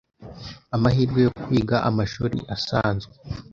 amahirwe yo kwiga amashuri asanzwe